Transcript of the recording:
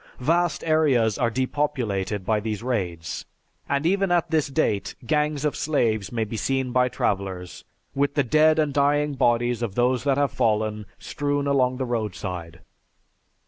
Vast areas are depopulated by these raids and even at this date, gangs of slaves may be seen by travelers, with the dead and dying bodies of those that have fallen strewn along the roadside.